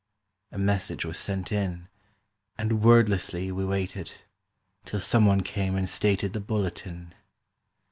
A message was sent in, And wordlessly we waited, Till some one came and stated The bulletin.